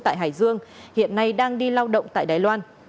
tại hải dương hiện nay đang đi lao động tại đài loan